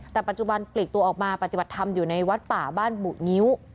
แต่ปัจจุบันปลีกตัวออกมาปฏิบัติธรรมอยู่ในวัดป่าบ้านบุงิ้ว